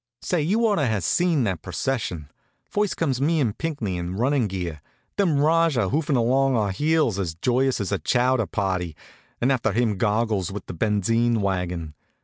Say, you ought to have seen that procession. First comes me and Pinckney, in running gear; then Rajah, hoofing along at our heels, as joyous as a chowder party; and after him Goggles, with the benzine wagon.